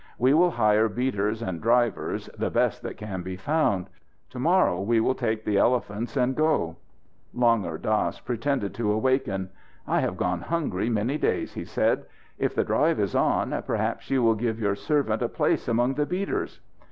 "We will hire beaters and drivers, the best that can be found. To morrow we will take the elephants and go." Langur Dass pretended to waken. "I have gone hungry many days," he said. "If the drive is on, perhaps you will give your servant a place among the beaters."